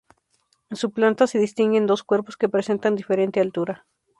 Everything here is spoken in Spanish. En su planta se distinguen dos cuerpos que presentan diferente altura.